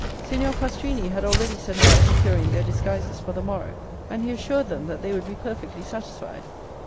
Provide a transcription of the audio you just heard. Signor Pastrini had already set about procuring their disguises for the morrow; and he assured them that they would be perfectly satisfied.